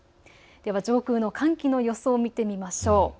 では上空の寒気の予想を見てみましょう。